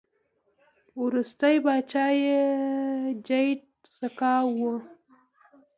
وروستی پاچا یې جیډ سکای و